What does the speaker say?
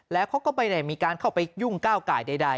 แล้วเขาก็ไม่ได้มีการเข้าไปยุ่งก้าวไก่ใด